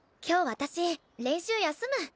今日私練習休む。